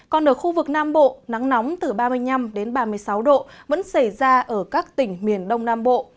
còn ở khu vực nam bộ nắng nóng từ ba mươi năm đến ba mươi sáu độ vẫn xảy ra ở các tỉnh miền đông nam bộ